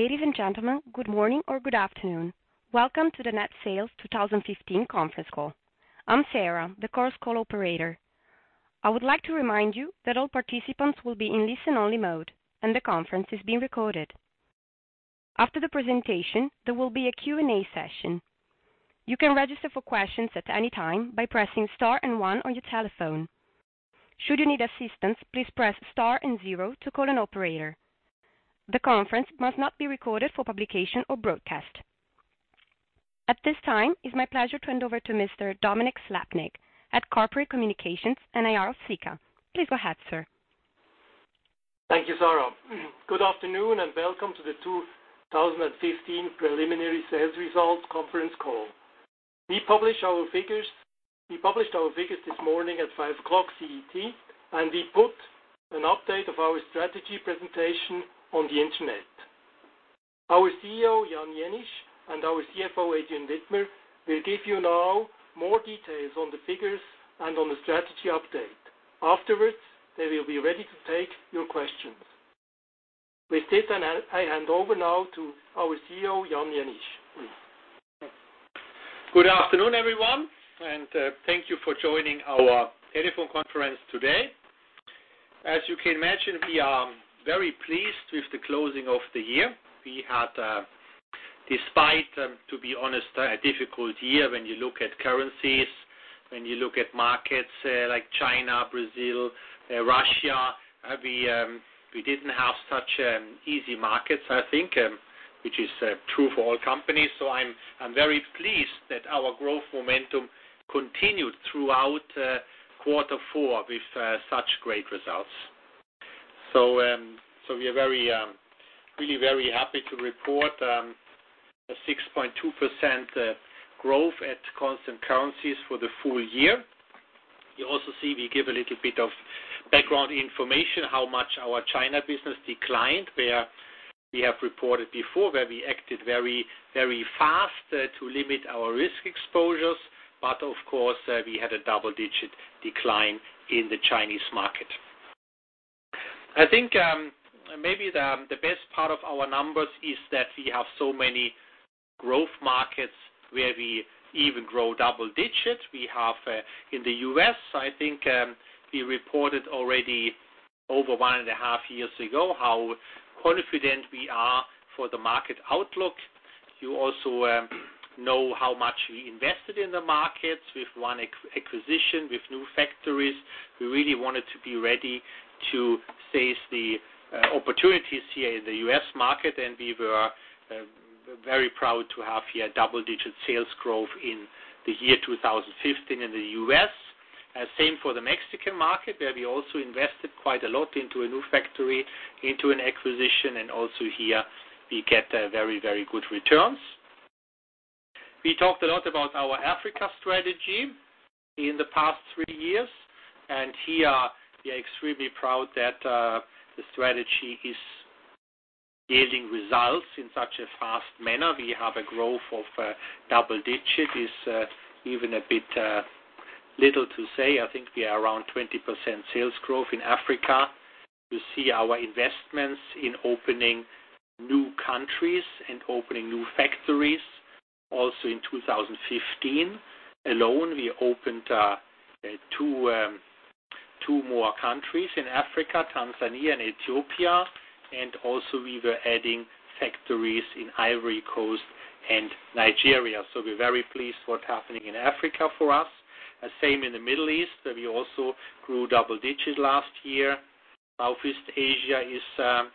Ladies and gentlemen, good morning or good afternoon. Welcome to the Net Sales 2015 conference call. I'm Sarah, the Chorus Call operator. I would like to remind you that all participants will be in listen-only mode, and the conference is being recorded. After the presentation, there will be a Q&A session. You can register for questions at any time by pressing Star and One on your telephone. Should you need assistance, please press Star and Zero to call an operator. The conference must not be recorded for publication or broadcast. At this time, it's my pleasure to hand over to Mr. Dominik Slappnig at Corporate Communications and IR of Sika. Please go ahead, sir. Thank you, Sarah. Good afternoon and welcome to the 2015 preliminary sales result conference call. We published our figures this morning at 5:00 A.M. CET, and we put an update of our strategy presentation on the internet. Our CEO, Jan Jenisch, and our CFO, Adrian Widmer, will give you now more details on the figures and on the strategy update. Afterwards, they will be ready to take your questions. With this, I hand over now to our CEO, Jan Jenisch. Good afternoon, everyone, and thank you for joining our telephone conference today. As you can imagine, we are very pleased with the closing of the year. We had, despite, to be honest, a difficult year when you look at currencies, when you look at markets like China, Brazil, Russia. We didn't have such easy markets, I think, which is true for all companies. I'm very pleased that our growth momentum continued throughout quarter four with such great results. We are really very happy to report a 6.2% growth at constant currencies for the full year. You also see we give a little bit of background information, how much our China business declined, where we have reported before, where we acted very fast to limit our risk exposures. Of course, we had a double-digit decline in the Chinese market. I think maybe the best part of our numbers is that we have so many growth markets where we even grow double digits. We have in the U.S., I think we reported already over one and a half years ago, how confident we are for the market outlook. You also know how much we invested in the markets with one acquisition, with new factories. We really wanted to be ready to seize the opportunities here in the U.S. market, and we were very proud to have here double-digit sales growth in the year 2015 in the U.S. Same for the Mexican market, where we also invested quite a lot into a new factory, into an acquisition, and also here we get very good returns. We talked a lot about our Africa strategy in the past three years, and here we are extremely proud that the strategy is yielding results in such a fast manner. We have a growth of double digits. It is even a bit little to say, I think we are around 20% sales growth in Africa. You see our investments in opening new countries and opening new factories. In 2015 alone, we opened two more countries in Africa, Tanzania and Ethiopia, and also we were adding factories in Ivory Coast and Nigeria. We're very pleased what's happening in Africa for us. Same in the Middle East, where we also grew double digits last year. Southeast Asia is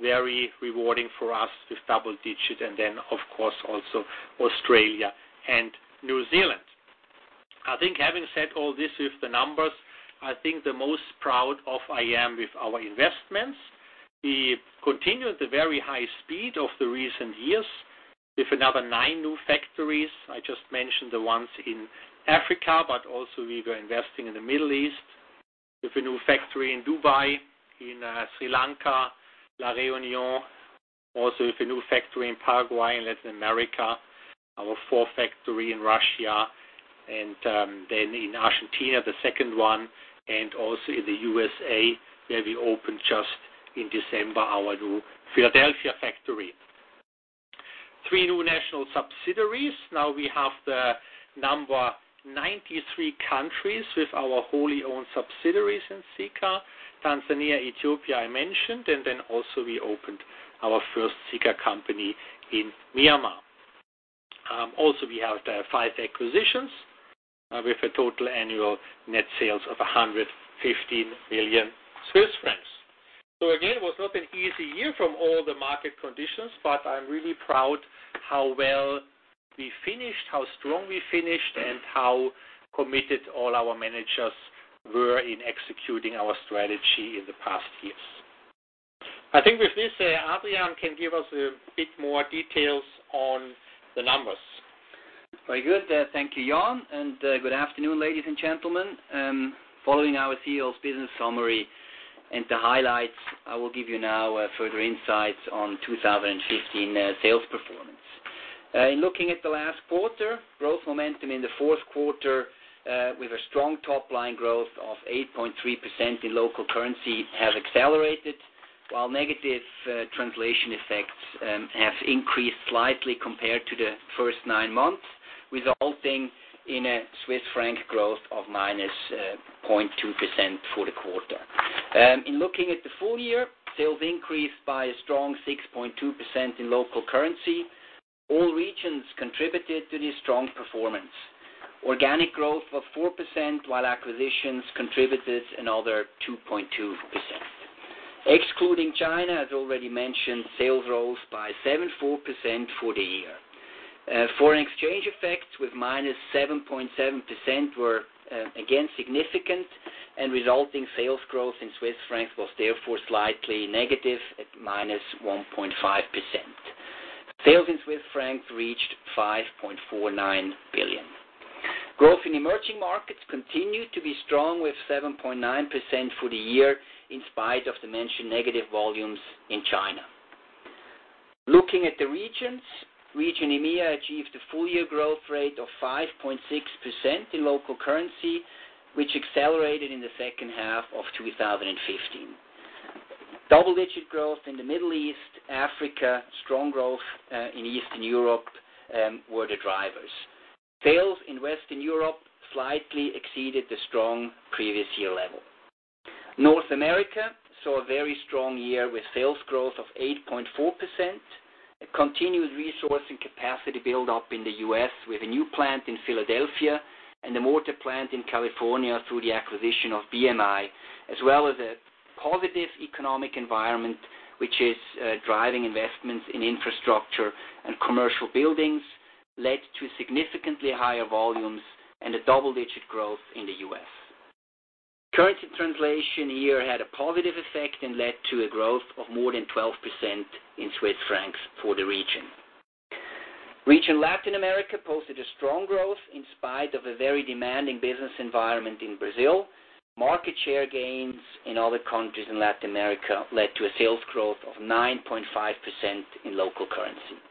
very rewarding for us with double digits, and then, of course, also Australia and New Zealand. I think having said all this with the numbers, I think the most proud of I am with our investments. We continued the very high speed of the recent years with another nine new factories. I just mentioned the ones in Africa, but also we were investing in the Middle East with a new factory in Dubai, in Sri Lanka, La Reunion, also with a new factory in Paraguay, in Latin America, our fourth factory in Russia, and then in Argentina, the second one, and also in the USA, where we opened just in December, our new Philadelphia factory. Three new national subsidiaries. Now we have the number 93 countries with our wholly owned subsidiaries in Sika. Tanzania, Ethiopia, I mentioned, and then also we opened our first Sika company in Myanmar. We have five acquisitions with a total annual net sales of 115 million Swiss francs. Again, it was not an easy year from all the market conditions, but I'm really proud how well we finished, how strong we finished, and how committed all our managers were in executing our strategy in the past years. I think with this, Adrian can give us a bit more details on the numbers. Very good. Thank you, Jan, and good afternoon, ladies and gentlemen. Following our CEO's business summary and the highlights, I will give you now further insights on 2015 sales performance. In looking at the last quarter, growth momentum in the fourth quarter with a strong top-line growth of 8.3% in local currency has accelerated, while negative translation effects have increased slightly compared to the first nine months, resulting in a CHF growth of -0.2% for the quarter. In looking at the full year, sales increased by a strong 6.2% in local currency. All regions contributed to this strong performance. Organic growth of 4%, while acquisitions contributed another 2.2%. Excluding China, as already mentioned, sales rose by 74% for the year. Foreign exchange effects with -7.7% were again significant, and resulting sales growth in CHF was therefore slightly negative at -1.5%. Sales in CHF reached 5.49 billion Swiss francs. Growth in emerging markets continued to be strong with 7.9% for the year in spite of the mentioned negative volumes in China. Looking at the regions, Region EMEA achieved a full-year growth rate of 5.6% in local currency, which accelerated in the second half of 2015. Double-digit growth in the Middle East, Africa, strong growth in Eastern Europe were the drivers. Sales in Western Europe slightly exceeded the strong previous year level. North America saw a very strong year with sales growth of 8.4%, a continued resource and capacity build-up in the U.S. with a new plant in Philadelphia and a mortar plant in California through the acquisition of BMI, as well as a positive economic environment which is driving investments in infrastructure and commercial buildings led to significantly higher volumes and a double-digit growth in the U.S. Currency translation here had a positive effect and led to a growth of more than 12% in CHF for the region. Region Latin America posted a strong growth in spite of a very demanding business environment in Brazil. Market share gains in other countries in Latin America led to a sales growth of 9.5% in local currency.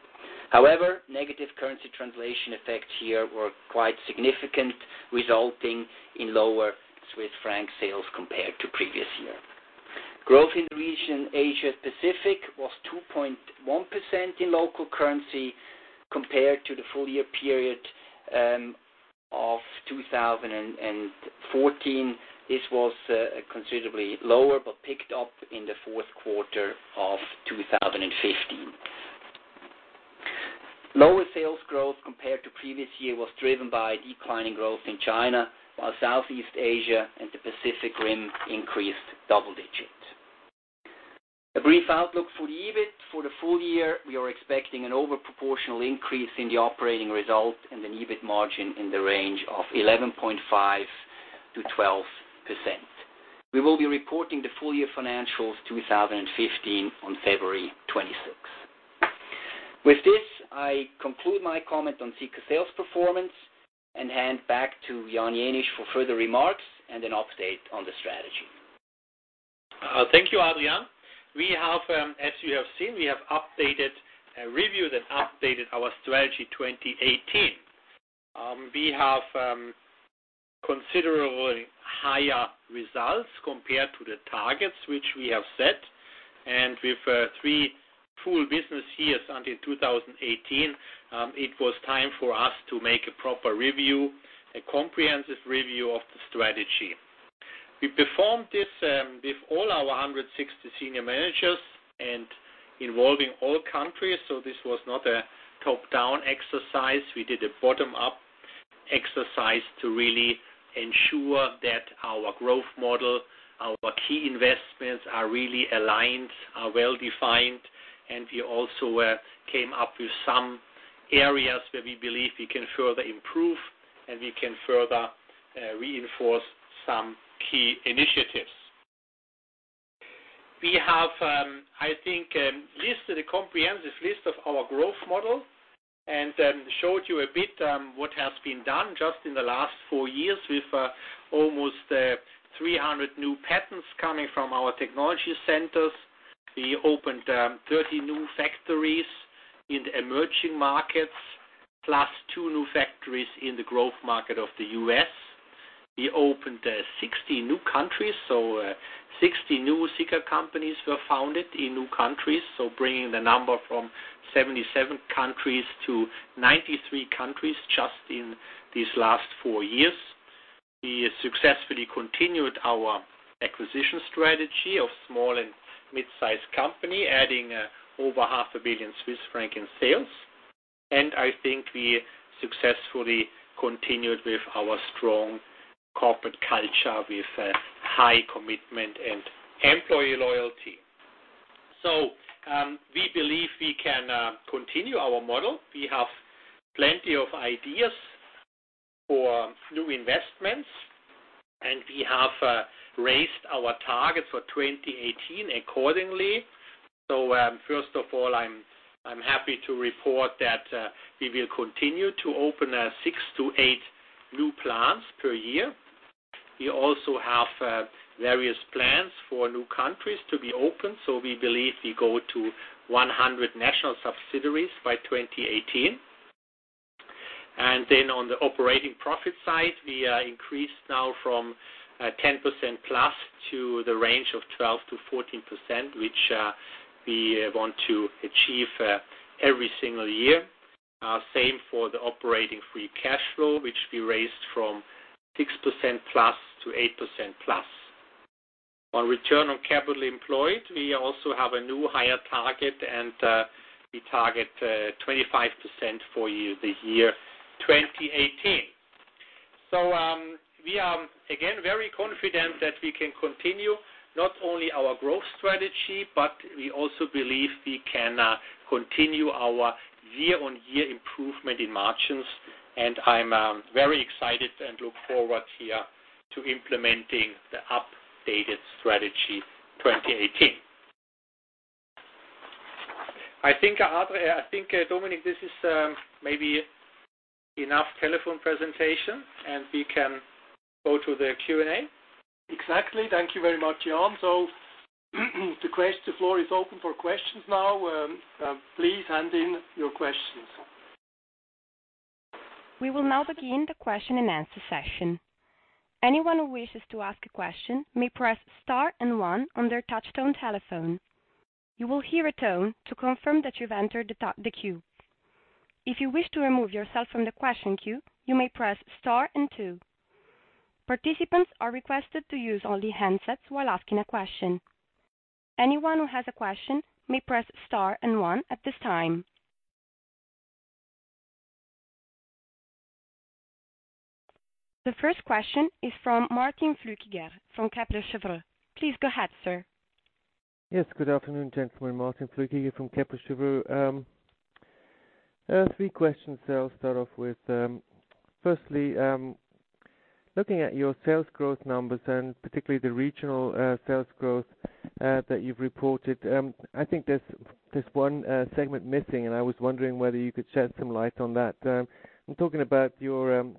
However, negative currency translation effects here were quite significant, resulting in lower CHF sales compared to previous year. Growth in the Region Asia-Pacific was 2.1% in local currency compared to the full-year period of 2014. This was considerably lower, but picked up in the fourth quarter of 2015. Lower sales growth compared to previous year was driven by declining growth in China while Southeast Asia and the Pacific Rim increased double digits. A brief outlook for the EBIT. For the full year, we are expecting an overproportional increase in the operating result and an EBIT margin in the range of 11.5%-12%. We will be reporting the full year financials 2015 on February 26th. With this, I conclude my comment on Sika sales performance and hand back to Jan Jenisch for further remarks and an update on the Strategy. Thank you, Adrian. As you have seen, we have reviewed and updated our Strategy 2018. We have considerably higher results compared to the targets which we have set. With three full business years until 2018, it was time for us to make a proper review, a comprehensive review of the Strategy. We performed this with all our 160 senior managers and involving all countries. This was not a top-down exercise. We did a bottom-up exercise to really ensure that our growth model, our key investments are really aligned, are well-defined. We also came up with some areas where we believe we can further improve, and we can further reinforce some key initiatives. We have, I think, listed a comprehensive list of our growth model and showed you a bit what has been done just in the last four years with almost 300 new patents coming from our technology centers. We opened 30 new factories in the emerging markets, plus two new factories in the growth market of the U.S. We opened 60 new countries, so 60 new Sika companies were founded in new countries, bringing the number from 77 countries to 93 countries just in these last four years. We successfully continued our acquisition strategy of small and mid-size company, adding over half a billion CHF in sales, and I think we successfully continued with our strong corporate culture with a high commitment and employee loyalty. We believe we can continue our model. We have plenty of ideas for new investments, we have raised our target for 2018 accordingly. First of all, I'm happy to report that we will continue to open six to eight new plants per year. We also have various plans for new countries to be open. We believe we go to 100 national subsidiaries by 2018. On the operating profit side, we are increased now from 10%-plus to the range of 12%-14%, which we want to achieve every single year. Same for the operating free cash flow, which we raised from 6%-plus to 8%-plus. On return on capital employed, we also have a new higher target, and we target 25% for the year 2018. We are, again, very confident that we can continue not only our growth strategy, but we also believe we can continue our year-on-year improvement in margins. I'm very excited and look forward here to implementing the updated Strategy 2018. I think, Dominik, this is maybe enough telephone presentation, and we can go to the Q&A. Exactly. Thank you very much, Jan. The floor is open for questions now. Please hand in your questions. We will now begin the question and answer session. Anyone who wishes to ask a question may press Star and One on their touchtone telephone. You will hear a tone to confirm that you've entered the queue. If you wish to remove yourself from the question queue, you may press Star and Two. Participants are requested to use only handsets while asking a question. Anyone who has a question may press Star and One at this time. The first question is from Martin Flueckiger from Kepler Cheuvreux. Please go ahead, sir. Yes, good afternoon, gentlemen. Martin Flueckiger here from Kepler Cheuvreux. Three questions. Looking at your sales growth numbers and particularly the regional sales growth that you've reported. I think there's one segment missing, and I was wondering whether you could shed some light on that. I'm talking about your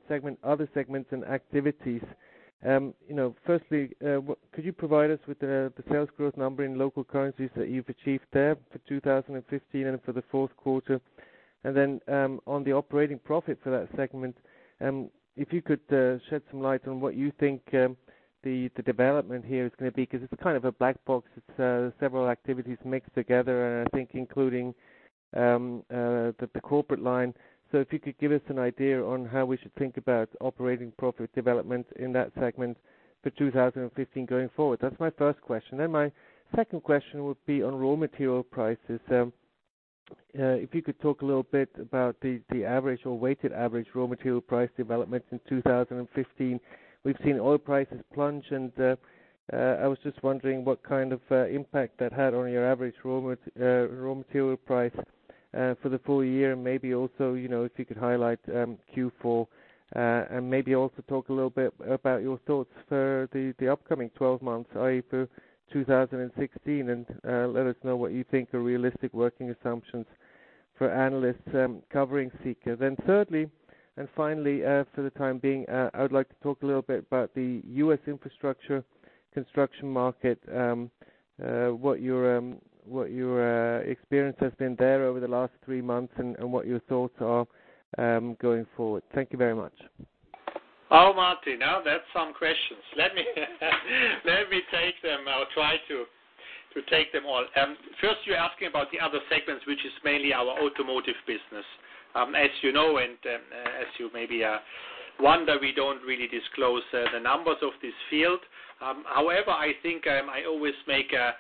other segments and activities. Firstly, could you provide us with the sales growth number in local currencies that you've achieved there for 2015 and for the fourth quarter? On the operating profit for that segment, if you could shed some light on what you think the development here is going to be, because it's a black box. It's several activities mixed together, and I think including the corporate line. If you could give us an idea on how we should think about operating profit development in that segment for 2015 going forward. That's my first question. My second question would be on raw material prices. If you could talk a little bit about the average or weighted average raw material price developments in 2015. We've seen oil prices plunge, and I was just wondering what kind of impact that had on your average raw material price for the full year. Maybe also, if you could highlight Q4, and maybe also talk a little bit about your thoughts for the upcoming 12 months, i.e., for 2016, and let us know what you think are realistic working assumptions for analysts covering Sika. Thirdly and finally, for the time being, I would like to talk a little bit about the U.S. infrastructure construction market, what your experience has been there over the last three months and what your thoughts are going forward. Thank you very much. Martin, now that's some questions. Let me take them. I'll try to take them all. First, you're asking about the other segments, which is mainly our automotive business. As you know, and as you maybe wonder, we don't really disclose the numbers of this field. However, I think I always make a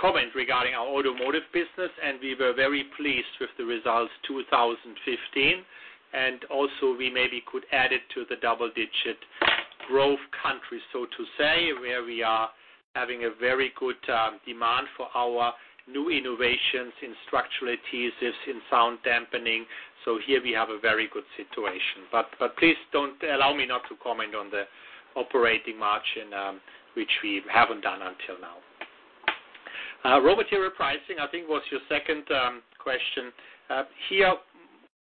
comment regarding our automotive business, and we were very pleased with the results 2015. We maybe could add it to the double-digit growth countries, so to say, where we are having a very good demand for our new innovations in structural adhesives, in sound dampening. Here we have a very good situation. Please allow me not to comment on the operating margin, which we haven't done until now. Raw material pricing, I think was your second question. Here,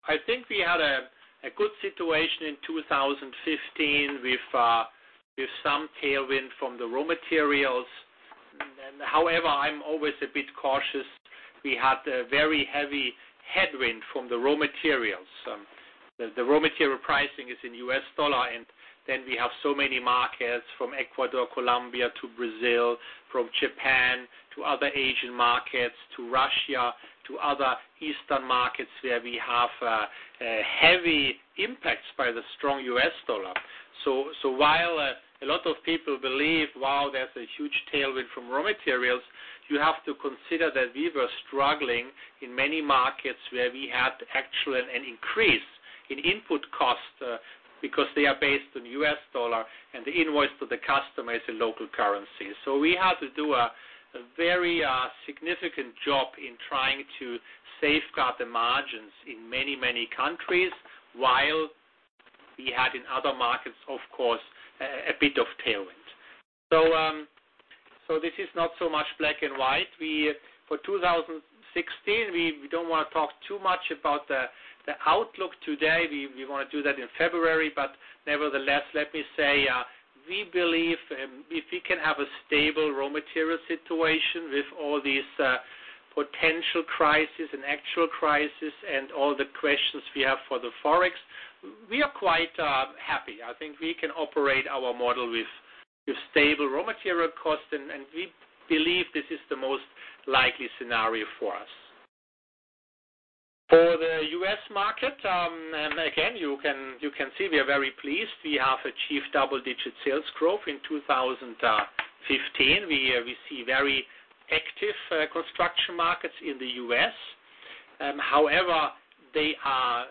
I think we had a good situation in 2015 with some tailwind from the raw materials. However, I'm always a bit cautious. We had a very heavy headwind from the raw materials. The raw material pricing is in US dollar, and then we have so many markets from Ecuador, Colombia to Brazil, from Japan to other Asian markets, to Russia, to other eastern markets, where we have heavy impacts by the strong US dollar. While a lot of people believe, wow, there's a huge tailwind from raw materials, you have to consider that we were struggling in many markets where we had actually an increase in input cost because they are based on US dollar and the invoice to the customer is in local currency. We had to do a very significant job in trying to safeguard the margins in many, many countries while we had in other markets, of course, a bit of tailwind. This is not so much black and white. For 2016, we don't want to talk too much about the outlook today. We want to do that in February, but nevertheless, let me say, we believe if we can have a stable raw material situation with all these potential crises and actual crises and all the questions we have for the Forex, we are quite happy. I think we can operate our model with stable raw material costs, and we believe this is the most likely scenario for us. For the U.S. market, and again, you can see we are very pleased, we have achieved double-digit sales growth in 2015. We see very active construction markets in the U.S. However, they are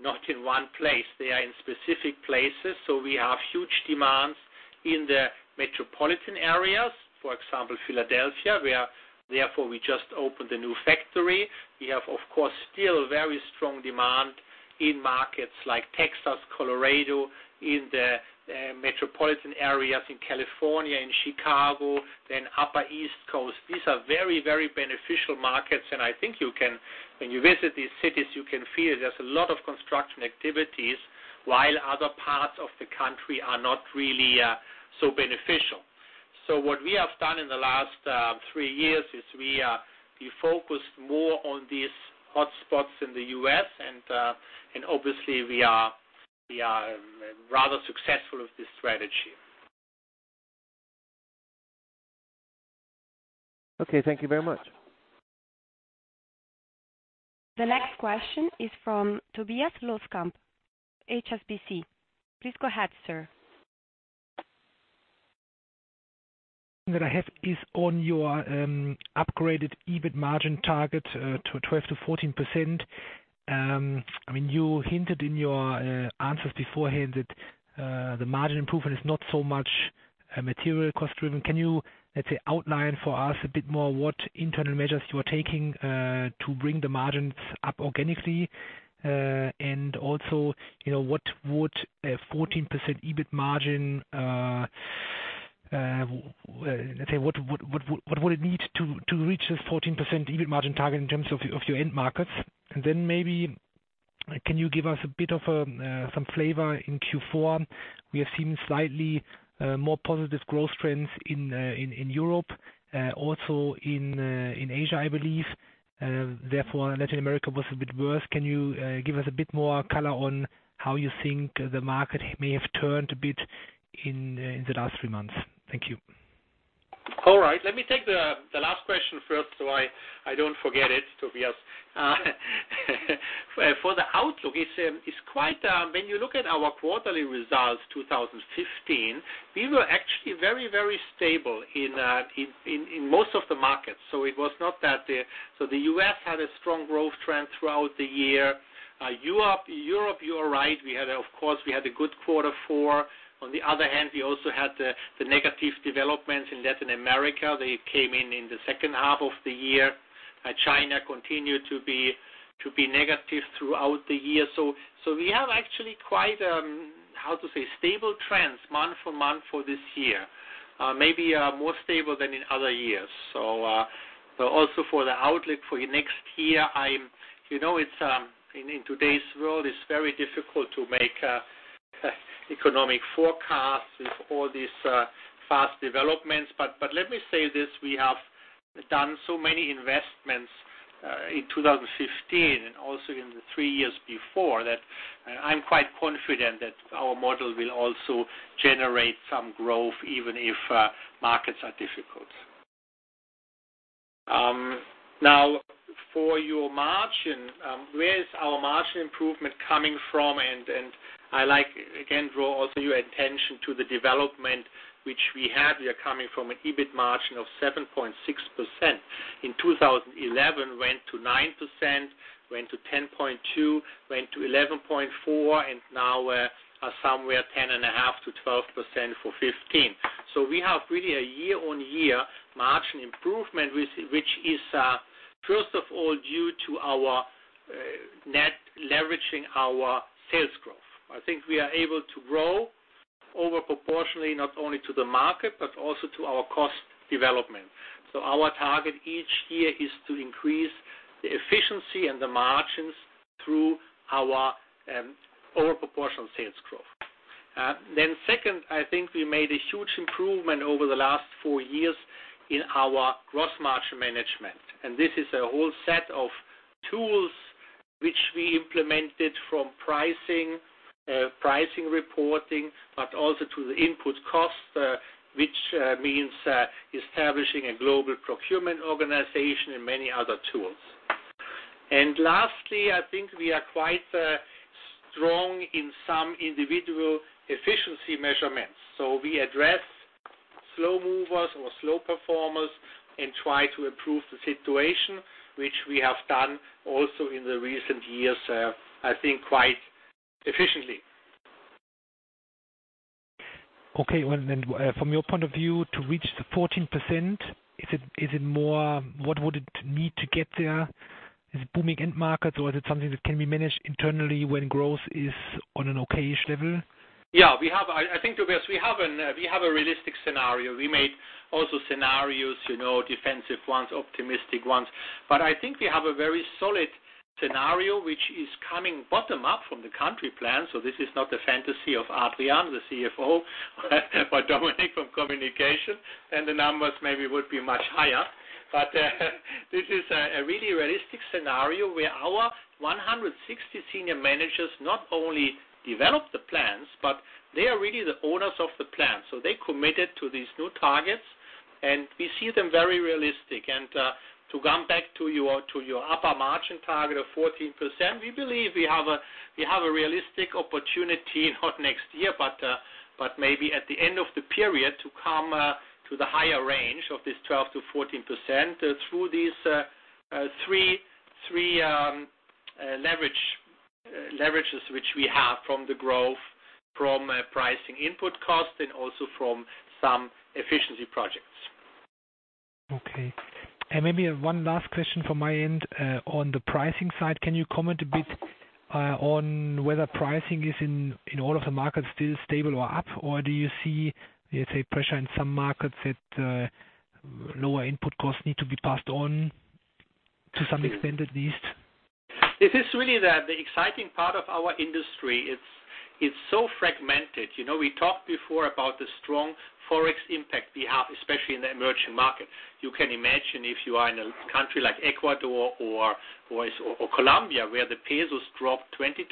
not in one place. They are in specific places. We have huge demands in the metropolitan areas, for example, Philadelphia, where therefore we just opened a new factory. We have, of course, still very strong demand in markets like Texas, Colorado, in the metropolitan areas in California and Chicago, then upper East Coast. These are very beneficial markets, and I think when you visit these cities, you can feel there's a lot of construction activities, while other parts of the country are not really so beneficial. What we have done in the last three years is we focused more on these hotspots in the U.S. and, obviously we are rather successful with this strategy. Okay. Thank you very much. The next question is from Tobias Loskamp, HSBC. Please go ahead, sir. That I have is on your upgraded EBIT margin target to 12%-14%. You hinted in your answers beforehand that the margin improvement is not so much material cost-driven. Can you, let's say, outline for us a bit more what internal measures you are taking to bring the margins up organically? Also, what would a 14% EBIT margin, let's say, what would it need to reach this 14% EBIT margin target in terms of your end markets? Then maybe, can you give us a bit of some flavor in Q4? We have seen slightly more positive growth trends in Europe, also in Asia, I believe. Therefore, Latin America was a bit worse. Can you give us a bit more color on how you think the market may have turned a bit in the last three months? Thank you. All right. Let me take the last question first, so I don't forget it, Tobias. For the outlook, when you look at our quarterly results 2015, we were actually very stable in most of the markets. The U.S. had a strong growth trend throughout the year. Europe, you are right, of course, we had a good quarter four. On the other hand, we also had the negative developments in Latin America. They came in in the second half of the year. China continued to be negative throughout the year. We have actually quite, how to say, stable trends month-on-month for this year. Maybe more stable than in other years. Also for the outlook for next year, in today's world, it's very difficult to make economic forecasts with all these fast developments. Let me say this, we have done so many investments in 2015 and also in the three years before that I'm quite confident that our model will also generate some growth even if markets are difficult. Now, for your margin, where is our margin improvement coming from? I like, again, draw also your attention to the development which we had here coming from an EBIT margin of 7.6%. In 2011, went to 9%, went to 10.2%, went to 11.4%, and now we're somewhere 10.5%-12% for 2015. We have really a year-on-year margin improvement, which is first of all due to our net leveraging our sales growth. I think we are able to grow over proportionally not only to the market but also to our cost development. Our target each year is to increase the efficiency and the margins through our overproportional sales growth. Second, I think we made a huge improvement over the last four years in our gross margin management, and this is a whole set of tools which we implemented from pricing reporting, but also to the input cost, which means establishing a global procurement organization and many other tools. Lastly, I think we are quite strong in some individual efficiency measurements. We address slow movers or slow performers and try to improve the situation, which we have done also in the recent years, I think, quite efficiently. Okay. Well, from your point of view, to reach the 14%, what would it need to get there? Is it booming end markets or is it something that can be managed internally when growth is on an okay-ish level? I think, Tobias, we have a realistic scenario. We made also scenarios, defensive ones, optimistic ones. I think we have a very solid scenario which is coming bottom-up from the country plan. This is not the fantasy of Adrian, the CFO, or Dominik from communication, then the numbers maybe would be much higher. This is a really realistic scenario where our 160 senior managers not only develop the plans, but they are really the owners of the plan. They committed to these new targets, and we see them very realistic. To come back to your upper margin target of 14%, we believe we have a realistic opportunity, not next year, but maybe at the end of the period to come to the higher range of this 12%-14% through these three leverages which we have from the growth, from pricing input cost, and also from some efficiency projects. Okay. Maybe one last question from my end. On the pricing side, can you comment a bit on whether pricing is in all of the markets still stable or up, or do you see, let's say, pressure in some markets that lower input costs need to be passed on to some extent at least? This is really the exciting part of our industry. It's so fragmented. We talked before about the strong Forex impact we have, especially in the emerging market. You can imagine if you are in a country like Ecuador or Colombia where the pesos dropped 20%-30%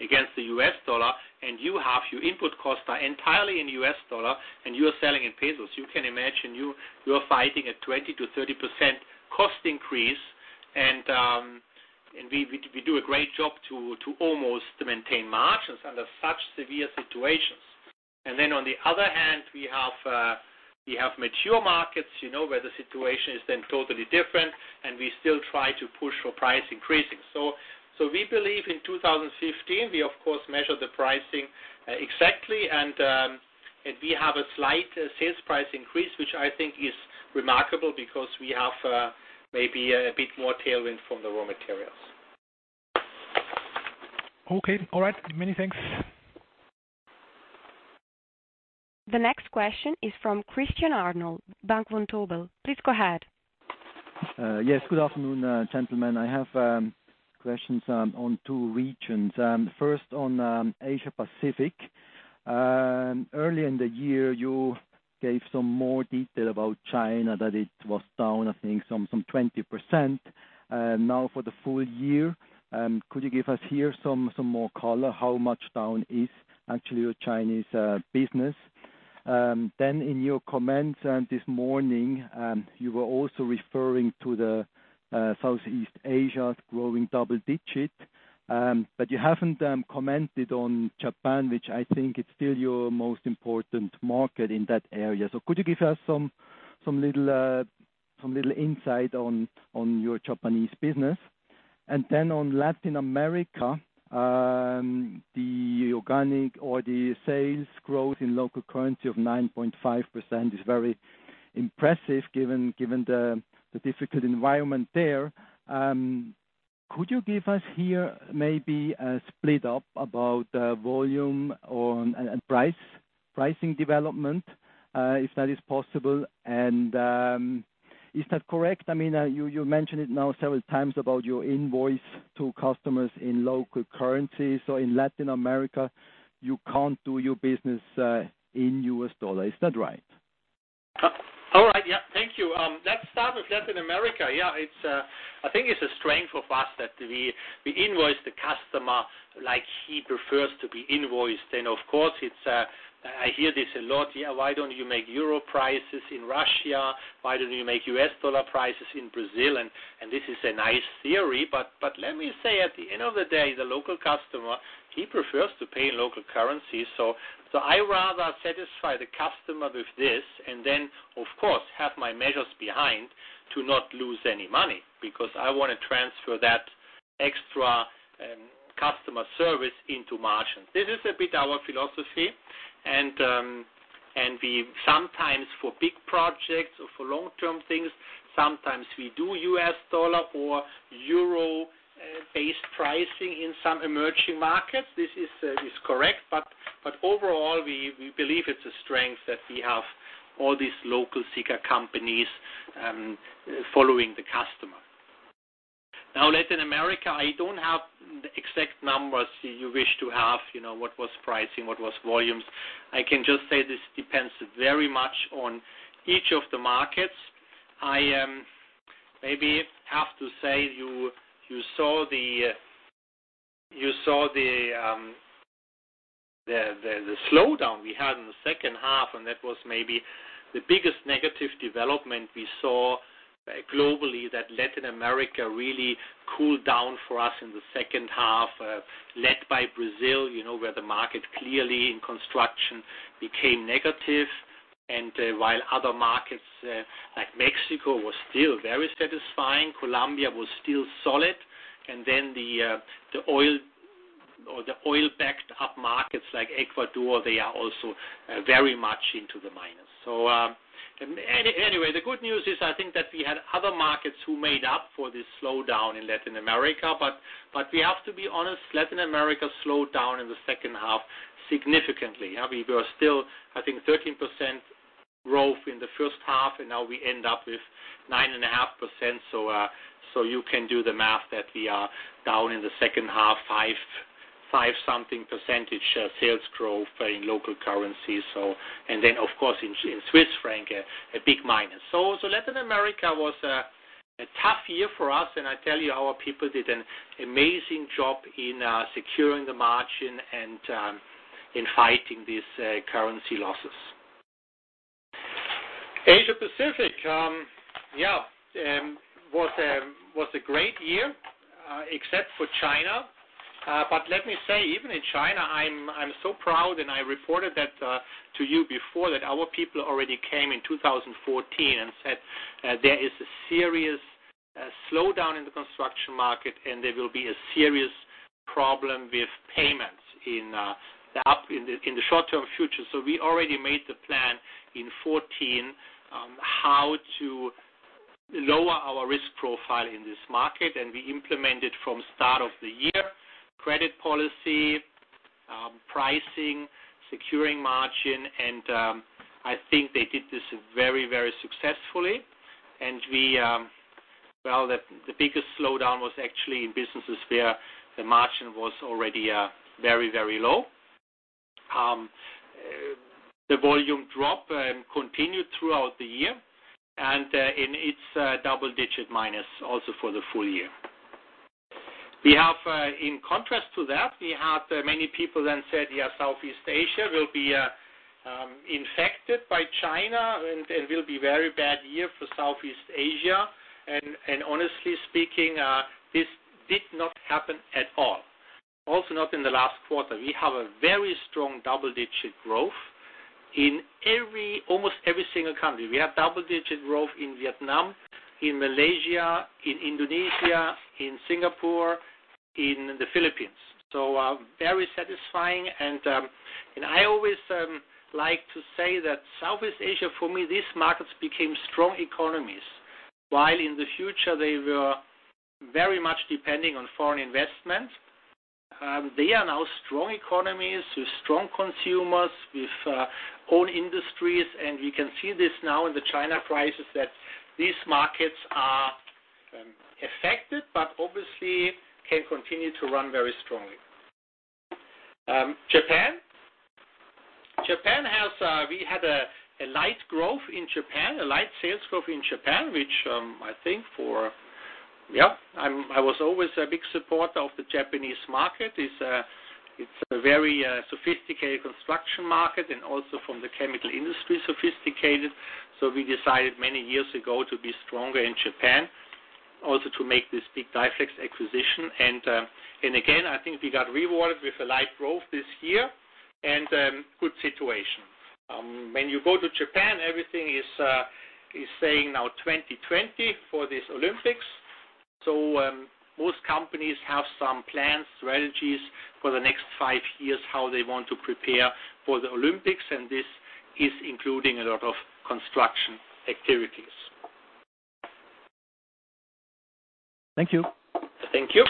against the U.S. dollar, and you have your input costs are entirely in U.S. dollar and you are selling in pesos. You can imagine you are fighting a 20%-30% cost increase. We do a great job to almost maintain margins under such severe situations. On the other hand, we have mature markets, where the situation is then totally different. We still try to push for price increasing. We believe in 2015, we of course measure the pricing exactly. We have a slight sales price increase, which I think is remarkable because we have maybe a bit more tailwind from the raw materials. Okay. All right. Many thanks. The next question is from Christian Arnold, Bank Vontobel. Please go ahead. Yes, good afternoon gentlemen. I have questions on two regions. First on Asia Pacific. Early in the year, you gave some more detail about China that it was down, I think some 20%. In your comments this morning, you were also referring to the Southeast Asia growing double digit. You haven't commented on Japan, which I think it's still your most important market in that area. Could you give us some little insight on your Japanese business? On Latin America, the organic or the sales growth in local currency of 9.5% is very impressive given the difficult environment there. Could you give us here maybe a split up about volume and price, pricing development, if that is possible? Is that correct? You mentioned it now several times about your invoice to customers in local currency. In Latin America, you can't do your business in U.S. dollar. Is that right? All right. Thank you. Let's start with Latin America. I think it's a strength for us that we invoice the customer like he prefers to be invoiced. Of course, I hear this a lot. Why don't you make EUR prices in Russia? Why don't you make U.S. dollar prices in Brazil? This is a nice theory, but let me say at the end of the day, the local customer, he prefers to pay in local currency. I rather satisfy the customer with this and then of course have my measures behind to not lose any money, because I want to transfer that extra customer service into margins. This is a bit our philosophy. We sometimes for big projects or for long-term things, sometimes we do U.S. dollar or EUR-based pricing in some emerging markets. This is correct. Overall, we believe it's a strength that we have all these local Sika companies following the customer. Latin America, I don't have the exact numbers you wish to have, what was pricing, what was volumes. I can just say this depends very much on each of the markets. I maybe have to say you saw the slowdown we had in the second half, and that was maybe the biggest negative development we saw globally that Latin America really cooled down for us in the second half, led by Brazil, where the market clearly in construction became negative. While other markets like Mexico was still very satisfying, Colombia was still solid. Then the oil-backed-up markets like Ecuador, they are also very much into the minus. Anyway, the good news is I think that we had other markets who made up for this slowdown in Latin America. We have to be honest, Latin America slowed down in the second half significantly. We were still, I think, 13% growth in the first half, and now we end up with 9.5%, you can do the math that we are down in the second half, 5 something percentage sales growth in local currency. Then, of course, in CHF, a big minus. Latin America was a tough year for us, I tell you, our people did an amazing job in securing the margin and in fighting these currency losses. Asia Pacific was a great year except for China. Let me say, even in China, I'm so proud, I reported that to you before, that our people already came in 2014 and said there is a serious slowdown in the construction market, and there will be a serious problem with payments in the short-term future. We already made the plan in 2014 on how to lower our risk profile in this market, we implemented from start of the year, credit policy, pricing, securing margin, and I think they did this very successfully. The biggest slowdown was actually in businesses where the margin was already very low. The volume drop continued throughout the year, it's double-digit minus also for the full year. In contrast to that, we had many people that said Southeast Asia will be infected by China and will be very bad year for Southeast Asia. Honestly speaking, this did not happen at all, also not in the last quarter. We have a very strong double-digit growth in almost every single country. We have double-digit growth in Vietnam, in Malaysia, in Indonesia, in Singapore, in the Philippines. Very satisfying, I always like to say that Southeast Asia, for me, these markets became strong economies. In the future they were very much depending on foreign investment, they are now strong economies with strong consumers, with own industries, you can see this now in the China crisis that these markets are affected, obviously can continue to run very strongly. Japan. We had a light growth in Japan, a light sales growth in Japan. I was always a big supporter of the Japanese market. It's a very sophisticated construction market and also from the chemical industry, sophisticated. We decided many years ago to be stronger in Japan, also to make this big DyFlex acquisition. Again, I think we got rewarded with a light growth this year and good situation. When you go to Japan, everything is saying now 2020 for this Olympics. Most companies have some plans, strategies for the next five years, how they want to prepare for the Olympics, and this is including a lot of construction activities. Thank you. Thank you.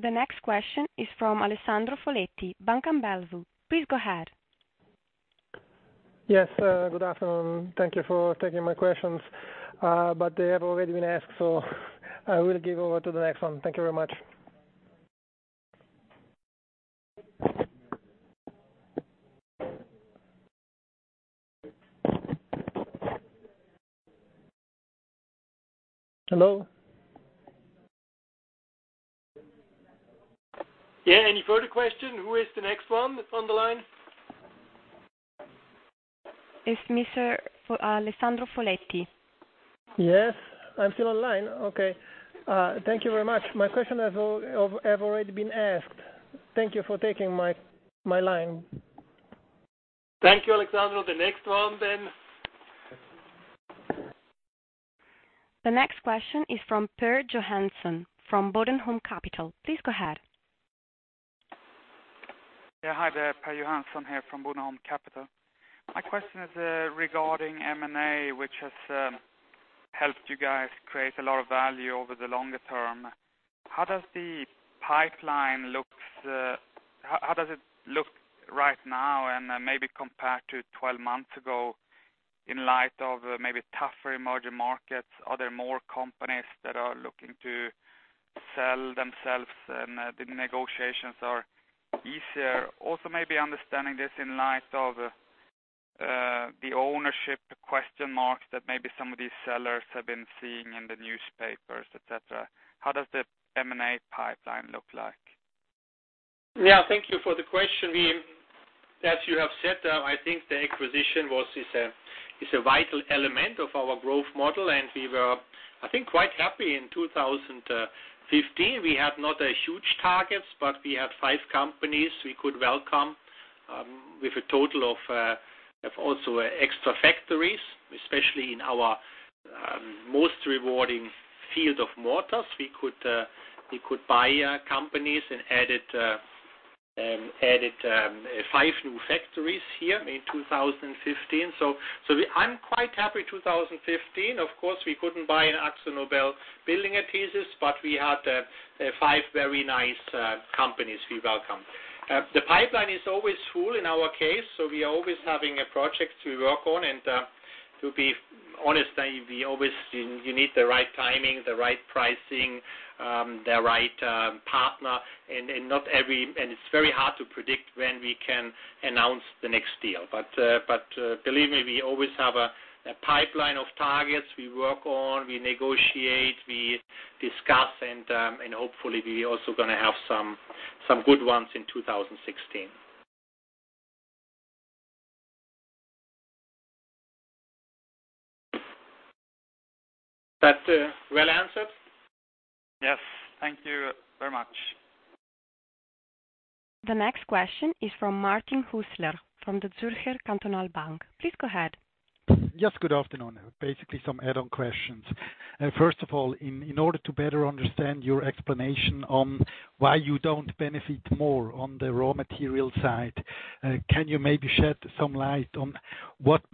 The next question is from Alessandro Foletti, Bank am Bellevue. Please go ahead. Yes, good afternoon. Thank you for taking my questions. They have already been asked, I will give over to the next one. Thank you very much. Hello? Yeah, any further question? Who is the next one on the line? It's Mr. Alessandro Foletti. Yes, I'm still on line. Okay. Thank you very much. My question have already been asked. Thank you for taking my line. Thank you, Alessandro. The next one then. The next question is from Per Johansson from Bodenholm Capital. Please go ahead. Yeah. Hi there. Per Johansson here from Bodenholm Capital. My question is regarding M&A, which has helped you guys create a lot of value over the longer term. How does it look right now and maybe compared to 12 months ago in light of maybe tougher emerging markets? Are there more companies that are looking to sell themselves and the negotiations are easier? Also maybe understanding this in light of the ownership question marks that maybe some of these sellers have been seeing in the newspapers, et cetera. How does the M&A pipeline look like? Yeah, thank you for the question. As you have said, I think the acquisition is a vital element of our growth model, and we were, I think, quite happy in 2015. We have not a huge targets, but we have five companies we could welcome with a total of also extra factories, especially in our Most rewarding field of mortars. We could buy companies and added five new factories here in 2015. I'm quite happy 2015. Of course, we couldn't buy an AkzoNobel Building Adhesives, but we had five very nice companies we welcome. The pipeline is always full in our case, so we are always having a project to work on, and to be honest, you need the right timing, the right pricing, the right partner, and it's very hard to predict when we can announce the next deal. Believe me, we always have a pipeline of targets we work on, we negotiate, we discuss, and hopefully we also going to have some good ones in 2016. That well answered? Yes. Thank you very much. The next question is from Martin Hüsler, from the Zürcher Kantonalbank. Please go ahead. Yes, good afternoon. Basically, some add-on questions. First of all, in order to better understand your explanation on why you don't benefit more on the raw material side, can you maybe shed some light on what %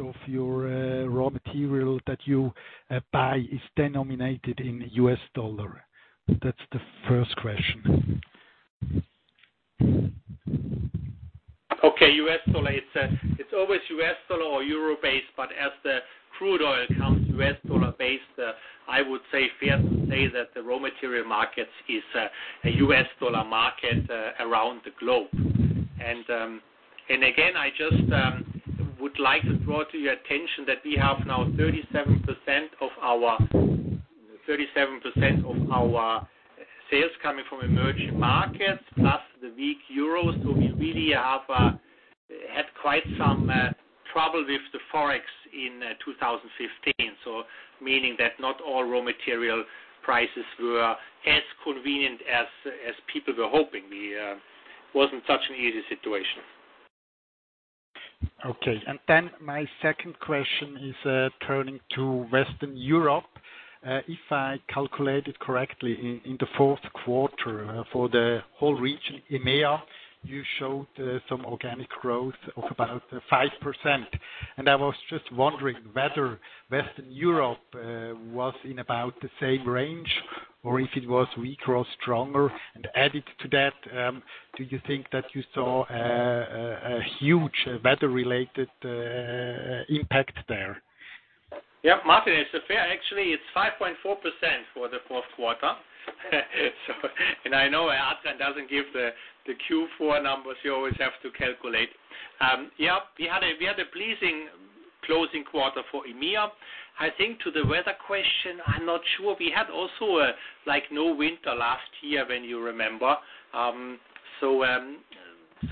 of your raw material that you buy is denominated in U.S. dollar? That's the first question. Okay. US dollar. It's always US dollar or EUR-based, but as the crude oil comes US dollar based, I would say fair to say that the raw material markets is a US dollar market around the globe. Again, I just would like to draw to your attention that we have now 37% of our sales coming from emerging markets, plus the weak EUR. We really had quite some trouble with the Forex in 2015. Meaning that not all raw material prices were as convenient as people were hoping. Wasn't such an easy situation. Okay. My second question is turning to Western Europe. If I calculated correctly, in the fourth quarter for the whole region, EMEA, you showed some organic growth of about 5%. I was just wondering whether Western Europe was in about the same range or if it was weaker or stronger. Added to that, do you think that you saw a huge weather-related impact there? Yeah. Martin, it's fair. Actually, it's 5.4% for the fourth quarter. I know Adrian doesn't give the Q4 numbers, you always have to calculate. Yeah, we had a pleasing closing quarter for EMEA. I think to the weather question, I'm not sure. We had also no winter last year, when you remember.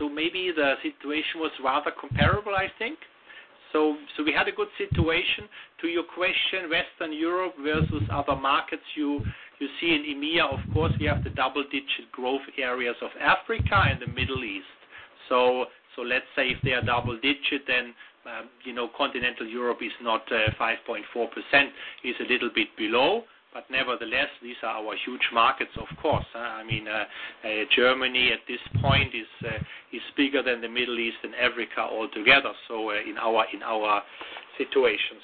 Maybe the situation was rather comparable, I think. We had a good situation. To your question, Western Europe versus other markets, you see in EMEA, of course, we have the double-digit growth areas of Africa and the Middle East. Let's say if they are double digit, then Continental Europe is not 5.4%, is a little bit below. Nevertheless, these are our huge markets, of course. Germany at this point is bigger than the Middle East and Africa altogether in our situation.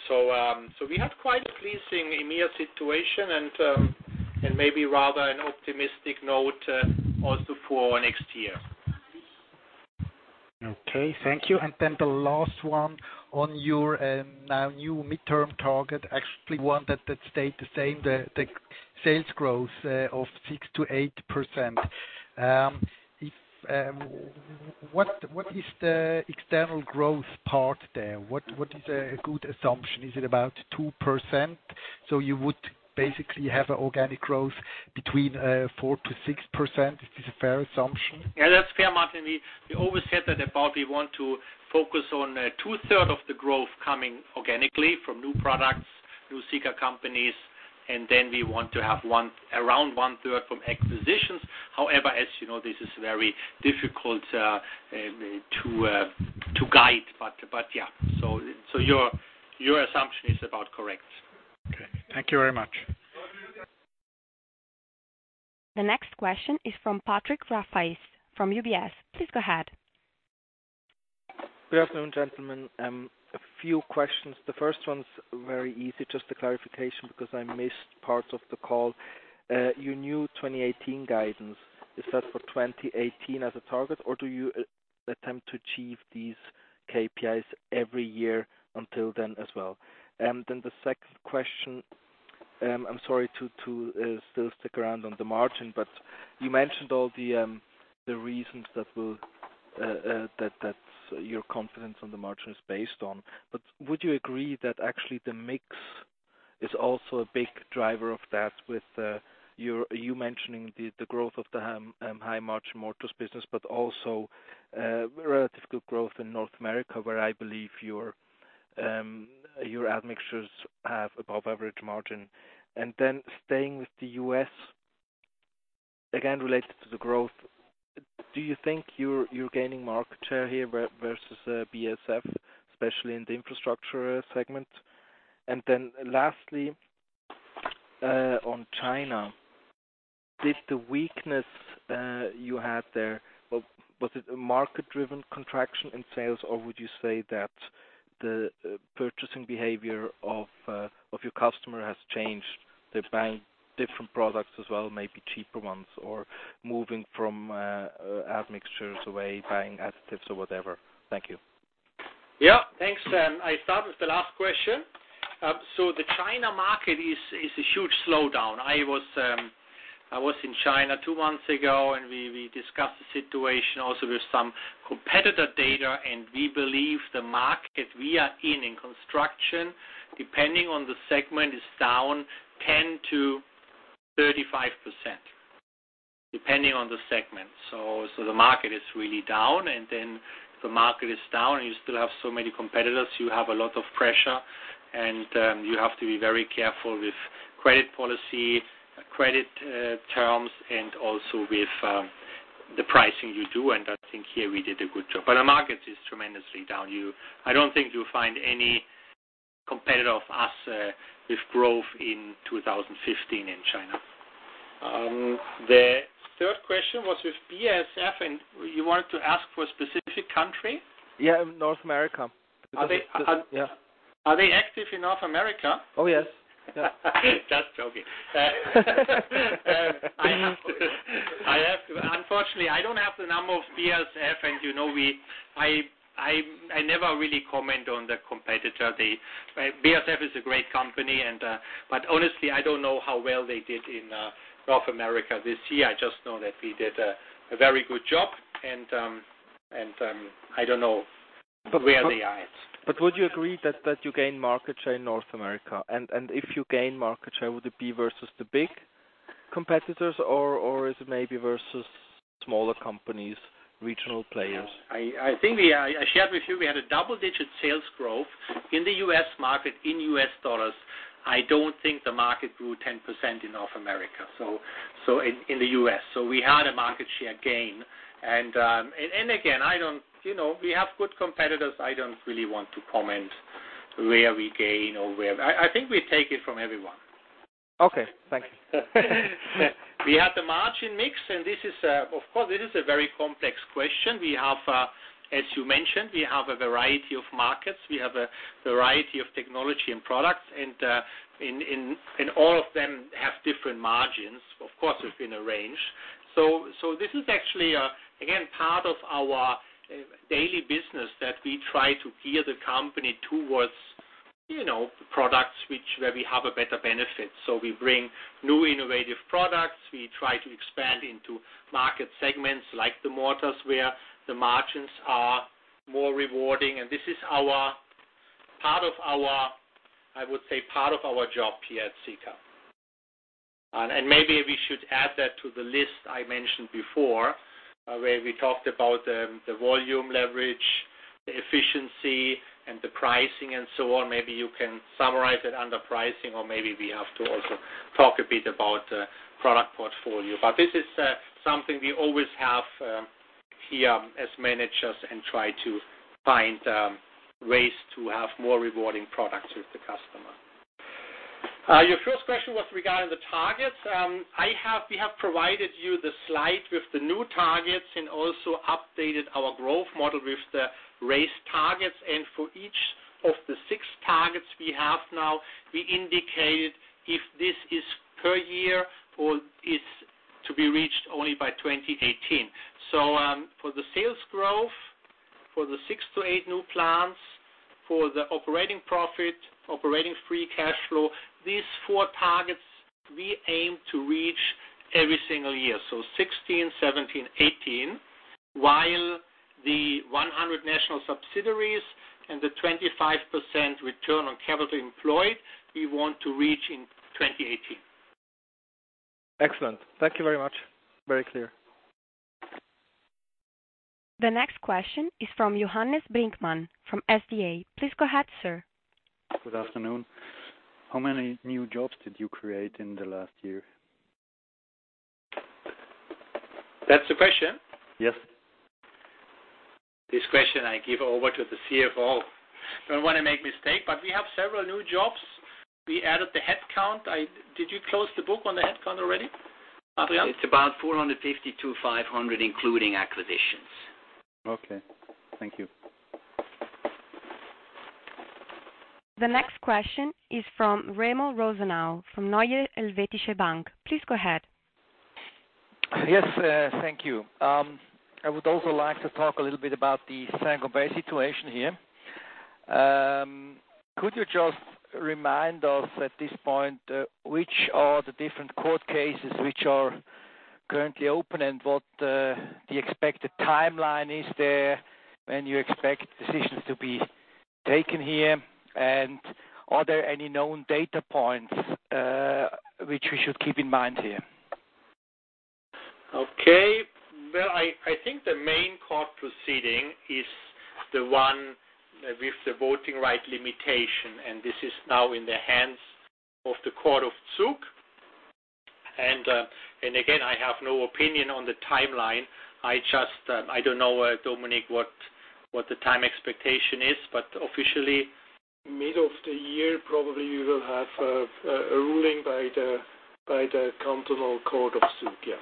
We had quite a pleasing EMEA situation and maybe rather an optimistic note also for next year. Okay. Thank you. The last one on your now new midterm target, actually one that stayed the same, the sales growth of 6%-8%. What is the external growth part there? What is a good assumption? Is it about 2%? You would basically have organic growth between 4%-6%? Is this a fair assumption? Yeah, that's fair, Martin. We always said that about we want to focus on two third of the growth coming organically from new products, new Sika companies, and then we want to have around one third from acquisitions. However, as you know, this is very difficult to guide. Yeah. Your assumption is about correct. Okay. Thank you very much. The next question is from Patrick Rafaisz from UBS. Please go ahead. Good afternoon, gentlemen. A few questions. The first one's very easy, just a clarification because I missed parts of the call. Your new 2018 guidance, is that for 2018 as a target, or do you attempt to achieve these KPIs every year until then as well? The second question, I'm sorry to still stick around on the margin, you mentioned all the reasons that your confidence on the margin is based on. Would you agree that actually the mix is also a big driver of that with you mentioning the growth of the high-margin mortars business, also relatively good growth in North America, where I believe your admixtures have above average margin. Staying with the U.S. Again, related to the growth. Do you think you're gaining market share here versus BASF, especially in the infrastructure segment? Lastly, on China, did the weakness you had there, was it a market-driven contraction in sales, or would you say that the purchasing behavior of your customer has changed? They're buying different products as well, maybe cheaper ones, or moving from admixtures away, buying additives or whatever. Thank you. Yeah, thanks. I start with the last question. The China market is a huge slowdown. I was in China two months ago, we discussed the situation also with some competitor data, we believe the market we are in construction, depending on the segment, is down 10%-35%, depending on the segment. The market is really down. The market is down, you still have so many competitors, you have a lot of pressure, you have to be very careful with credit policy, credit terms, also with the pricing you do. I think here we did a good job. The market is tremendously down. I don't think you'll find any competitor of us with growth in 2015 in China. The third question was with BASF, you wanted to ask for a specific country? Yeah, North America. Are they- Yeah. Are they active in North America? Oh, yes. Just joking. Unfortunately, I don't have the number of BASF, and I never really comment on the competitor. BASF is a great company, but honestly, I don't know how well they did in North America this year. I just know that we did a very good job, and I don't know where they are at. Would you agree that you gain market share in North America? If you gain market share, would it be versus the big competitors or is it maybe versus smaller companies, regional players? I think I shared with you, we had a double-digit sales growth in the U.S. market in U.S. dollars. I don't think the market grew 10% in North America, so in the U.S. We had a market share gain. Again, we have good competitors. I don't really want to comment where we gain. I think we take it from everyone. Okay, thanks. We have the margin mix, of course, this is a very complex question. As you mentioned, we have a variety of markets. We have a variety of technology and products, and all of them have different margins, of course, within a range. This is actually, again, part of our daily business that we try to gear the company towards products where we have a better benefit. We bring new, innovative products. We try to expand into market segments like the mortars, where the margins are more rewarding. This is, I would say, part of our job here at Sika. Maybe we should add that to the list I mentioned before, where we talked about the volume leverage, the efficiency, and the pricing, and so on. Maybe you can summarize it under pricing, or maybe we have to also talk a bit about product portfolio. This is something we always have here as managers and try to find ways to have more rewarding products with the customer. Your first question was regarding the targets. We have provided you the slide with the new targets and also updated our growth model with the raised targets. For each of the six targets we have now, we indicated if this is per year or is to be reached only by 2018. For the sales growth, for the six to eight new plants, for the operating profit, operating free cash flow, these four targets we aim to reach every single year. 2016, 2017, 2018. While the 100 national subsidiaries and the 25% return on capital employed, we want to reach in 2018. Excellent. Thank you very much. Very clear. The next question is from Johannes Brinkmann, from SDA. Please go ahead, sir. Good afternoon. How many new jobs did you create in the last year? That's the question? Yes. This question I give over to the CFO. Don't want to make mistake, but we have several new jobs. We added the headcount. Did you close the book on the headcount already, Adrian? It's about 450 to 500, including acquisitions. Okay. Thank you. The next question is from Remo Rosenau, from Neue Helvetische Bank. Please go ahead. Yes, thank you. I would also like to talk a little bit about the Saint-Gobain situation here. Could you just remind us at this point, which are the different court cases which are currently open and what the expected timeline is there, when you expect decisions to be taken here? Are there any known data points which we should keep in mind here? Okay. Well, I think the main court proceeding is the one with the voting right limitation, and this is now in the hands of the Court of Zug. Again, I have no opinion on the timeline. I don't know, Dominik, what the time expectation is, but officially- Mid of the year, probably, we will have a ruling by the Cantonal Court of Zug. Yeah.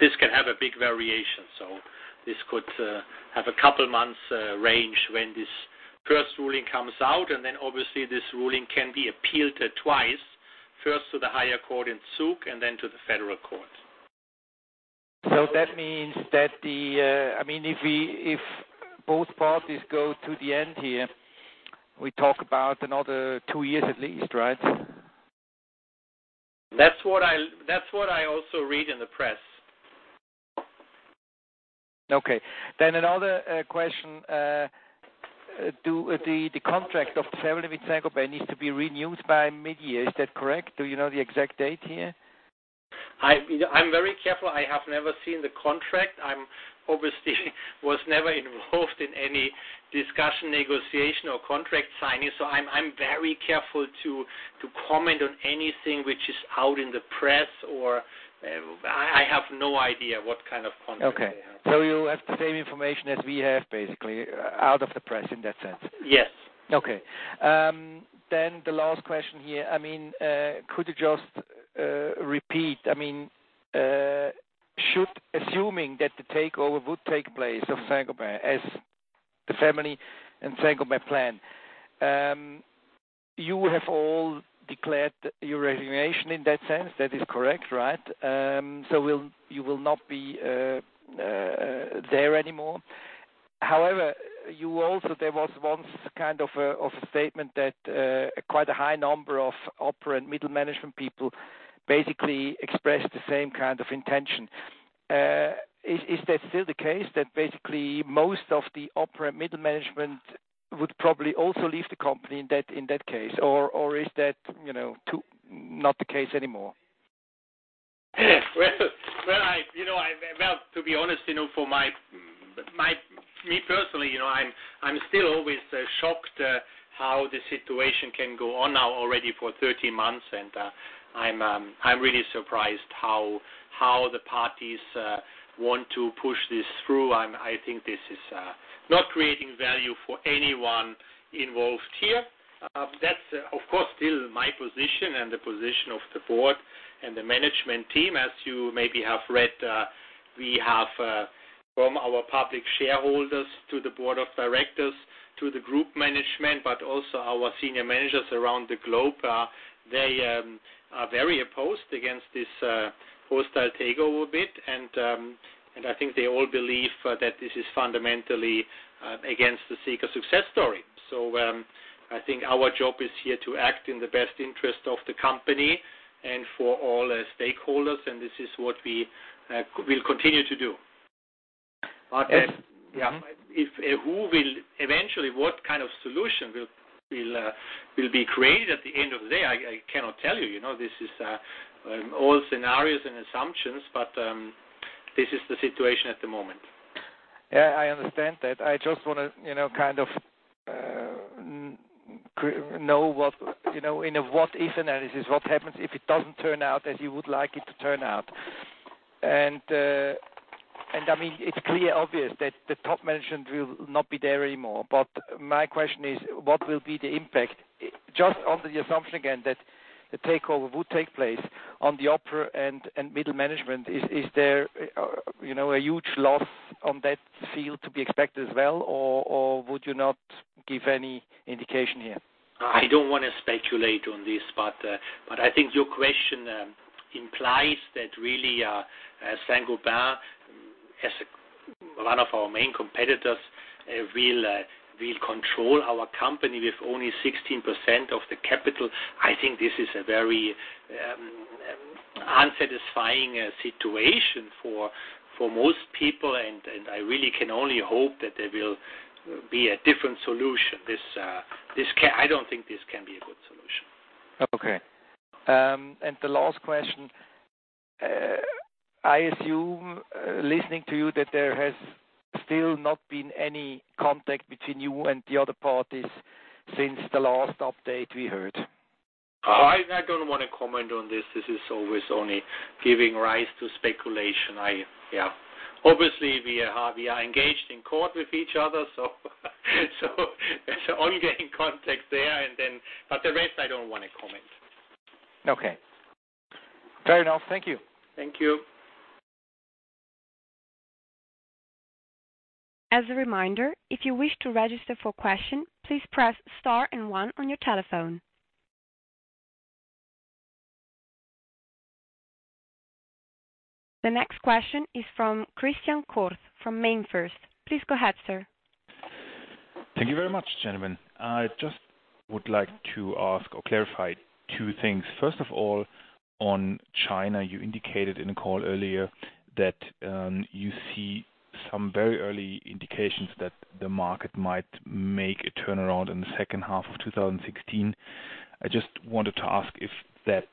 This can have a big variation. This could have a couple months range when this first ruling comes out, and then obviously this ruling can be appealed twice, first to the higher court in Zug and then to the federal court. That means that if both parties go to the end here, we talk about another two years at least, right? That's what I also read in the press. Okay. Another question. The contract of the family with Saint-Gobain needs to be renewed by mid-year. Is that correct? Do you know the exact date here? I'm very careful. I have never seen the contract. I obviously was never involved in any discussion, negotiation, or contract signing. I'm very careful to comment on anything which is out in the press, or I have no idea what kind of contract they have. You have the same information as we have, basically, out of the press in that sense. Yes. The last question here. Could you just repeat, assuming that the takeover would take place of Saint-Gobain as the family and Saint-Gobain plan. You have all declared your resignation in that sense. That is correct, right? You will not be there anymore. However, there was once kind of a statement that quite a high number of upper and middle management people basically expressed the same kind of intention. Is that still the case, that basically most of the upper and middle management would probably also leave the company in that case? Or is that not the case anymore? To be honest, for me personally, I'm still always shocked how the situation can go on now already for 13 months, and I'm really surprised how the parties want to push this through. I think this is not creating value for anyone involved here. That's, of course, still my position and the position of the board and the management team. As you maybe have read, we have, from our public shareholders to the board of directors to the group management, but also our senior managers around the globe are very opposed against this hostile takeover bid. I think they all believe that this is fundamentally against the Sika success story. I think our job is here to act in the best interest of the company and for all stakeholders, and this is what we'll continue to do. Yes. Mm-hmm. Eventually, what kind of solution will be created at the end of the day, I cannot tell you. This is all scenarios and assumptions, but this is the situation at the moment. Yeah, I understand that. I just want to kind of know in a what-if analysis, what happens if it doesn't turn out as you would like it to turn out. It's clear, obvious that the top management will not be there anymore. My question is, what will be the impact, just under the assumption, again, that the takeover would take place on the upper and middle management, is there a huge loss on that field to be expected as well, or would you not give any indication here? I don't want to speculate on this, I think your question implies that really Saint-Gobain, as one of our main competitors, will control our company with only 16% of the capital. I think this is a very unsatisfying situation for most people, I really can only hope that there will be a different solution. I don't think this can be a good solution. Okay. The last question. I assume, listening to you, that there has still not been any contact between you and the other parties since the last update we heard. I don't want to comment on this. This is always only giving rise to speculation. Obviously, we are engaged in court with each other, so that's the only getting contact there, but the rest, I don't want to comment. Okay. Fair enough. Thank you. Thank you. As a reminder, if you wish to register for question, please press star and one on your telephone. The next question is from Christian Koch from MainFirst. Please go ahead, sir. Thank you very much, gentlemen. I just would like to ask or clarify two things. First of all, on China, you indicated in a call earlier that you see some very early indications that the market might make a turnaround in the second half of 2016. I just wanted to ask if that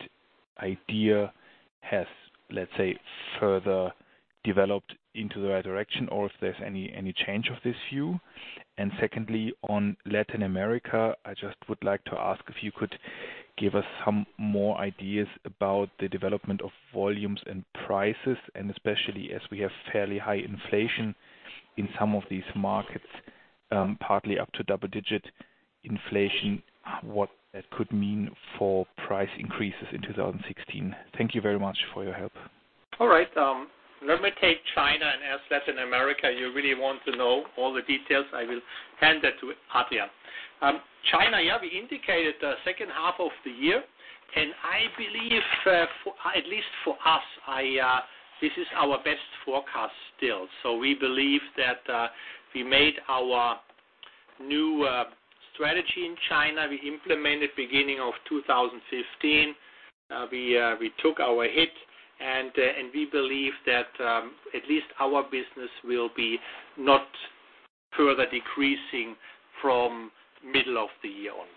idea has, let's say, further developed into the right direction or if there's any change of this view? Secondly, on Latin America, I just would like to ask if you could give us some more ideas about the development of volumes and prices, especially as we have fairly high inflation in some of these markets, partly up to double-digit inflation, what that could mean for price increases in 2016. Thank you very much for your help. All right. Let me take China as Latin America, you really want to know all the details. I will hand that to Adrian. China, we indicated the second half of the year, I believe, at least for us, this is our best forecast still. We believe that we made our new strategy in China. We implemented beginning of 2015. We took our hit and we believe that at least our business will be not further decreasing from middle of the year onwards.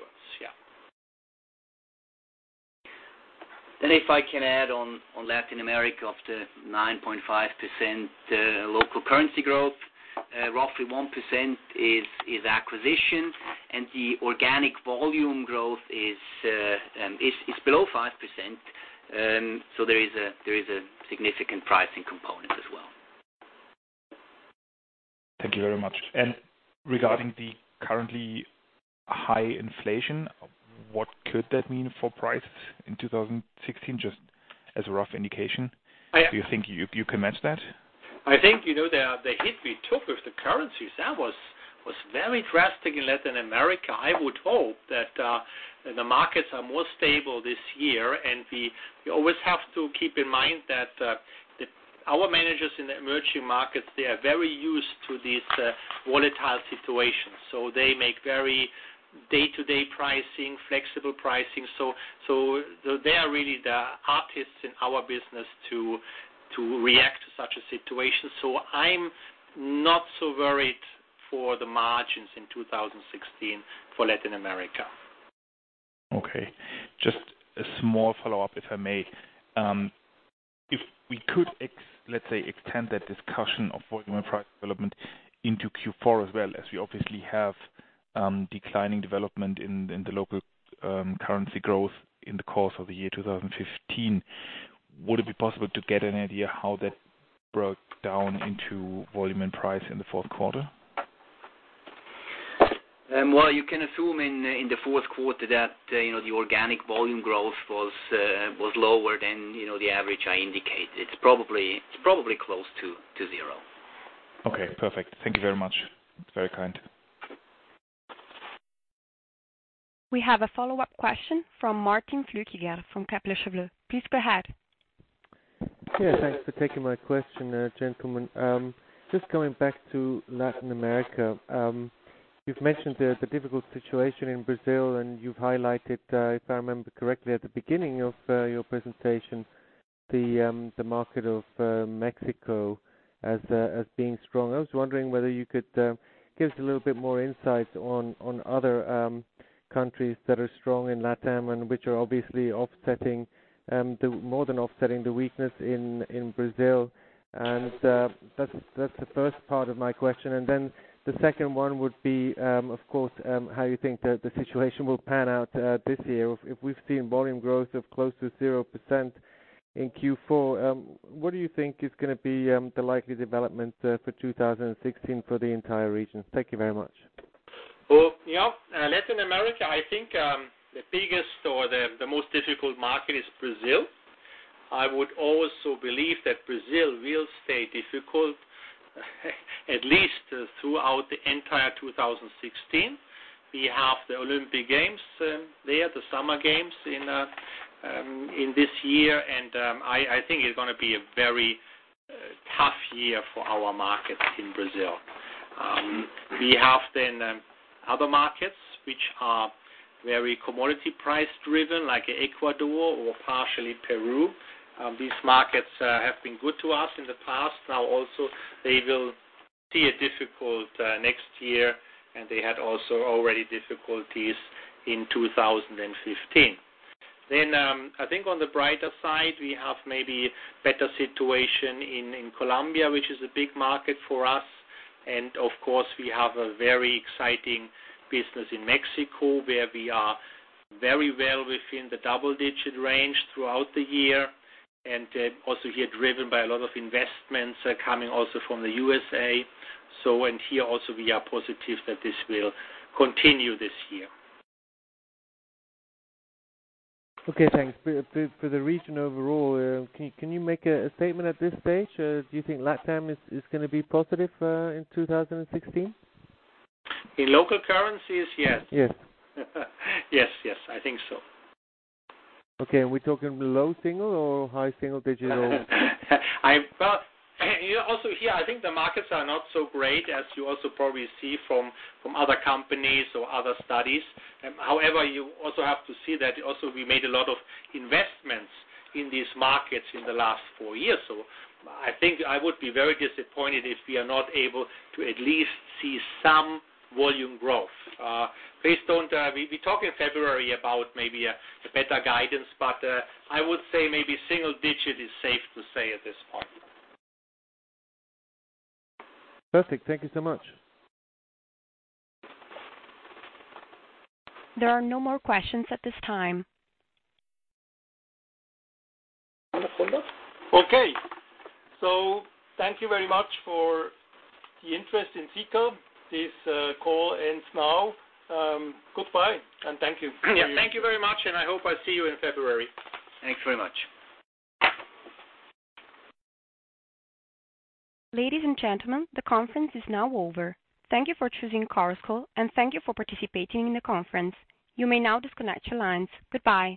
If I can add on Latin America, of the 9.5% local currency growth, roughly 1% is acquisition, the organic volume growth is below 5%. There is a significant pricing component as well. Thank you very much. Regarding the currently high inflation, what could that mean for prices in 2016? Just as a rough indication. I- Do you think you can manage that? I think, the hit we took with the currencies, that was very drastic in Latin America. I would hope that the markets are more stable this year, we always have to keep in mind that our managers in the emerging markets, they are very used to these volatile situations. They make very day-to-day pricing, flexible pricing. They are really the artists in our business to react to such a situation. I'm not so worried for the margins in 2016 for Latin America. Okay. Just a small follow-up, if I may. If we could, let's say, extend that discussion of volume and price development into Q4 as well as we obviously have declining development in the local currency growth in the course of the year 2015. Would it be possible to get an idea how that broke down into volume and price in the fourth quarter? Well, you can assume in the fourth quarter that the organic volume growth was lower than the average I indicated. It's probably close to zero. Okay, perfect. Thank you very much. Very kind. We have a follow-up question from Martin Flueckiger from Kepler Cheuvreux. Please go ahead. Yeah, thanks for taking my question, gentlemen. Just coming back to Latin America. You've mentioned the difficult situation in Brazil, and you've highlighted, if I remember correctly at the beginning of your presentation, the market of Mexico as being strong. I was wondering whether you could give us a little bit more insight on other countries that are strong in LatAm and which are obviously more than offsetting the weakness in Brazil. That's the first part of my question. The second one would be of course, how you think the situation will pan out this year. If we've seen volume growth of close to 0% in Q4, what do you think is going to be the likely development for 2016 for the entire region? Thank you very much. Yeah. Latin America, I think the biggest or the most difficult market is Brazil. I would also believe that Brazil will stay difficult at least throughout the entire 2016. We have the Olympic Games there, the Summer Games in this year, I think it's going to be a very tough year for our markets in Brazil. We have other markets which are very commodity price-driven, like Ecuador or partially Peru. These markets have been good to us in the past. Now also, they will see a difficult next year, and they had also already difficulties in 2015. I think on the brighter side, we have maybe better situation in Colombia, which is a big market for us. Of course, we have a very exciting business in Mexico, where we are very well within the double-digit range throughout the year. Also here, driven by a lot of investments coming also from the U.S.A. Here also, we are positive that this will continue this year. Okay, thanks. For the region overall, can you make a statement at this stage? Do you think LatAm is going to be positive, in 2016? In local currencies, yes. Yes. Yes. I think so. Okay, we're talking low single or high single digits? Well, also here, I think the markets are not so great as you also probably see from other companies or other studies. However, you also have to see that also we made a lot of investments in these markets in the last four years. I think I would be very disappointed if we are not able to at least see some volume growth. We talk in February about maybe a better guidance, I would say maybe single digit is safe to say at this point. Perfect. Thank you so much. There are no more questions at this time. Okay. Thank you very much for the interest in Sika. This call ends now. Goodbye and thank you. Yeah. Thank you very much, and I hope I see you in February. Thanks very much. Ladies and gentlemen, the conference is now over. Thank you for choosing Chorus Call, and thank you for participating in the conference. You may now disconnect your lines. Goodbye.